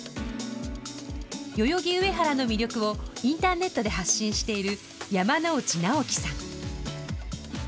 代々木上原の魅力をインターネットで発信している山内直己さん。